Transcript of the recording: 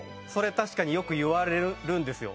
確かによく言われるんですよ